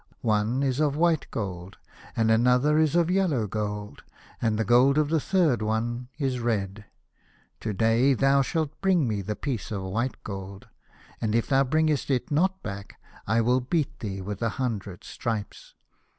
One is of white gold, and another is of yellow gold, and the gold of the third one is red. To day thou shalt bring me the piece of white gold, and if thou bringest it not back, I will beat thee with a hundred stripes.